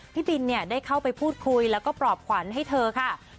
พี่บินได้เข้าไปพูดคุยแล้วก็ปลอบขวัญให้เธอค่ะ